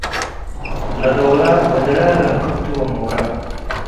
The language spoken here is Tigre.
. ለዶረ ወድራር ረክብቱ ወሞረ፣